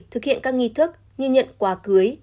thực hiện các nghi thức như nhận quà cưới